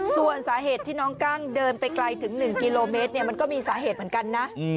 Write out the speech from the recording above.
ส่วนสาเหตุที่น้องกั้งเดินไปไกลถึง๑กิโลเมตรมันก็มีสาเหตุเหมือนกันนะ